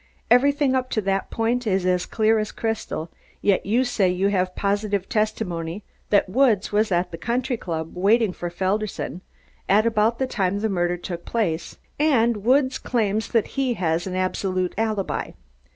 Everything up to that point is as clear as crystal, yet you say you have positive testimony that Woods was at the country club waiting for Felderson at about the time the murder took place, and Woods claims that he has an absolute alibi.